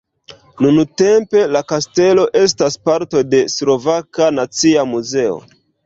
Nuntempe la kastelo estas parto de Slovaka nacia muzeo.